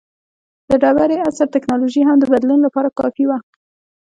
د ډبرې عصر ټکنالوژي هم د بدلون لپاره کافي وه.